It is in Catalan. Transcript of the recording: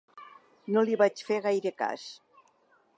No li vaig fer gaire cas.